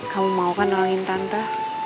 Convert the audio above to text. kamu mau kan nolongin tante